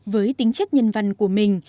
với tính chất nhân văn của mình